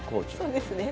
そうですね。